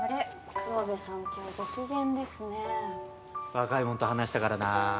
若いもんと話したからなあ。